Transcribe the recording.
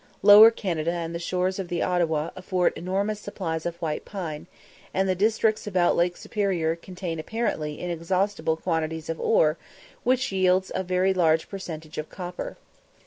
Lower Canada and the shores of the Ottawa afford enormous supplies of white pine, and the districts about Lake Superior contain apparently inexhaustible quantities of ore, which yields a very large percentage of copper.